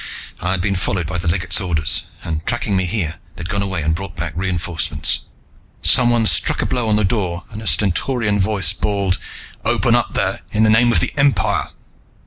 I'd been followed, by the legate's orders, and, tracking me here, they'd gone away and brought back reinforcements. Someone struck a blow on the door and a stentorian voice bawled, "Open up there, in the name of the Empire!"